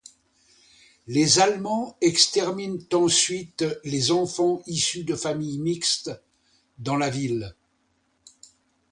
Les Allemands exterminent ensuite les enfants issus de familles mixtes dans la ville.